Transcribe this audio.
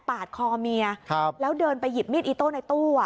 ปาดคอเมียครับแล้วเดินไปหยิบมีดอีโต้ในตู้อ่ะ